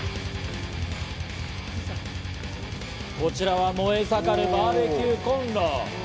こちらは燃え盛るバーベキューコンロ。